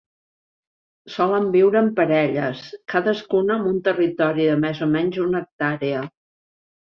Solen viure en parelles, cadascuna amb un territori de més o menys una hectàrea.